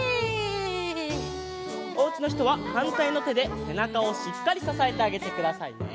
おうちのひとははんたいのてでせなかをしっかりささえてあげてくださいね。